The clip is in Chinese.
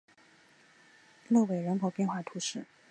勒韦人口变化图示